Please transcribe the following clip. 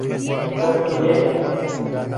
دەستم لێ دا.